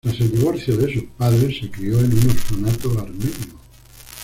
Tras el divorcio de sus padres se crio en un orfanato armenio.